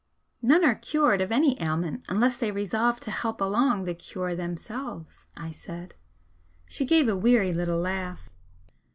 "None are cured of any ailment unless they resolve to help along the cure themselves," I said. She gave a weary little laugh.